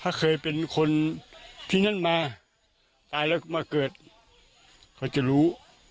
ถ้าเคยเป็นคนที่นั่นมาตายแล้วมาเกิดเขาจะรู้